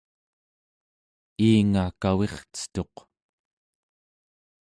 iinga kavircetuq